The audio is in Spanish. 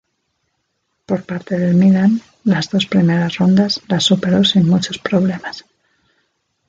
Por parte del Milan, las dos primeras rondas las superó sin muchos problemas.